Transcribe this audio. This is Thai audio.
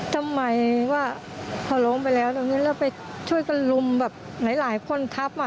ทำไมว่าพอล้มไปแล้วตรงนี้แล้วไปช่วยกันลุมแบบหลายคนทับอ่ะ